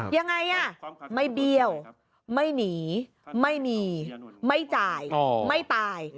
ยังไงอ่ะไม่เบี้ยวไม่หนีไม่มีไม่จ่ายไม่ตาย